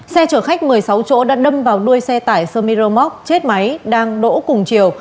xe chở khách một mươi sáu chỗ đã đâm vào đuôi xe tải sermiromoc chết máy đang đỗ cùng chiều